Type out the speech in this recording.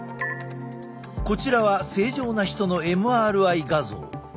こちらは正常な人のＭＲＩ画像。